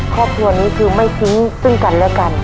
ครอบครัวนี้คือไม่ทิ้งซึ่งกันและกัน